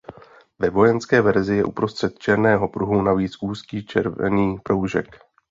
Ve vojenské verzi je uprostřed černého pruhu navíc úzký červený proužek.